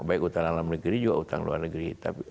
baik utang dalam negeri juga utang luar negeri